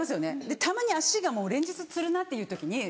たまに脚がもう連日つるなっていう時に。